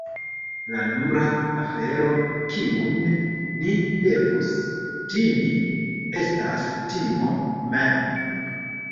La nura afero kiun ni devus timi, estas timo mem!